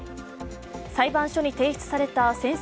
裁判所に提出された宣誓